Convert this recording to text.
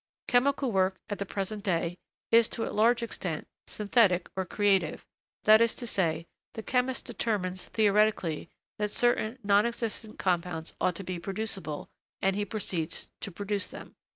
Chemical work, at the present day, is, to a large extent, synthetic or creative that is to say, the chemist determines, theoretically, that certain non existent compounds ought to be producible, and he proceeds to produce them.